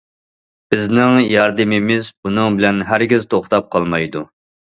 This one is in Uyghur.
بىزنىڭ ياردىمىمىز بۇنىڭ بىلەن ھەرگىز توختاپ قالمايدۇ.